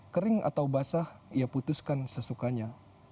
kering atau basah ia putuskan sesukanya